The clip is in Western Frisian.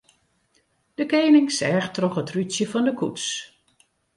De kening seach troch it rútsje fan de koets.